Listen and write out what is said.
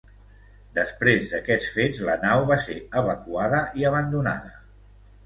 Després d'aquests fets la nau va ser evacuada i abandonada.